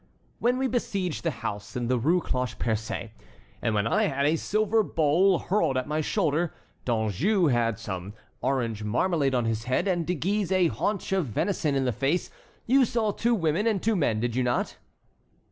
"When we besieged the house in the Rue Cloche Percée, and when I had a silver bowl hurled at my shoulder, D'Anjou some orange marmalade on his head, and De Guise a haunch of venison in the face, you saw two women and two men, did you not?"